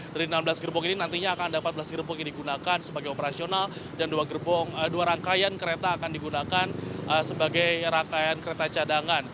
dari enam belas gerbong ini nantinya akan ada empat belas gerbong yang digunakan sebagai operasional dan dua rangkaian kereta akan digunakan sebagai rangkaian kereta cadangan